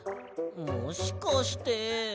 もしかして。